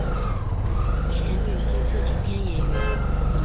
前女性色情片演员。